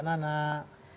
selamat malam anak